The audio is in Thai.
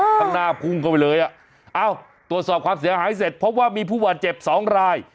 ข้างหน้าพุ่งเข้าไปเลยตรวจสอบความเสียหายเสร็จเพราะว่ามีผู้หวัดเจ็บ๒ราย